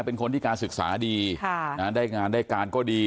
เป็นคนที่การศึกษาดีได้งานได้การก็ดี